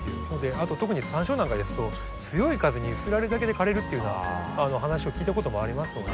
あと特にサンショウなんかですと強い風に揺すられるだけで枯れるっていうような話を聞いたこともありますので。